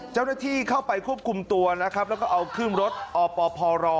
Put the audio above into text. เจ้าหน้าที่เข้าไปควบคุมตัวนะครับแล้วก็เอาขึ้นรถอปพร